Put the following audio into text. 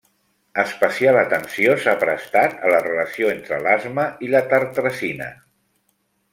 Especial atenció s'ha prestat a la relació entre l'asma i la tartrazina.